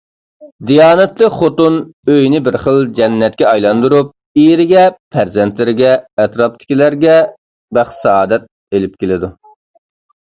دىيانەتلىك خوتۇن ئۆينى بىر خىل جەننەتكە ئايلاندۇرۇپ، ئېرىگە، پەرزەنتلىرىگە، ئەتراپىدىكىلەرگە بەخت-سائادەت ئېلىپ كېلىدۇ.